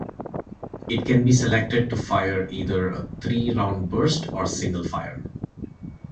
It can be selected to fire either a three round burst or single fire.